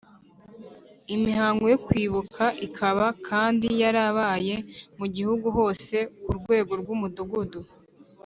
Imihango yo kwibuka ikaba kandi yarabaye mu Gihugu hose ku rwego rw Umudugudu